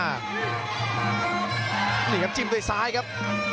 อัพพพิเดตโจมตัวซ้ายครับ